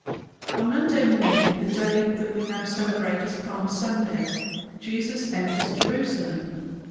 On Monday morning, the day that we now celebrate as Palm Sunday, Jesus enters Jerusalem.